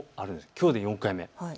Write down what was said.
きょうで４回目です。